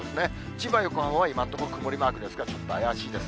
千葉、横浜は今のところ曇りマークですが、ちょっと怪しいです。